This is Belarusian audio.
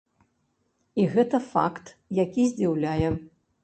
І гэта факт, які здзіўляе.